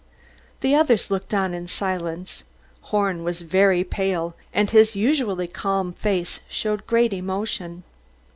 The others looked on in silence. Horn was very pale, and his usually calm face showed great emotion.